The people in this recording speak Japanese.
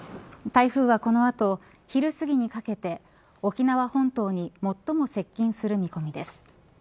台風は、この後昼すぎにかけて、沖縄本島に最も接近する見込みです。